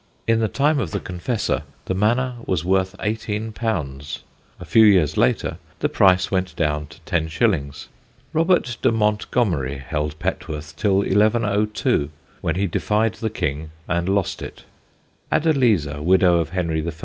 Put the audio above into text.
In the time of the Confessor the manor was worth _£_18; a few years later the price went down to ten shillings. Robert de Montgomerie held Petworth till 1102, when he defied the king and lost it. Adeliza, widow of Henry I.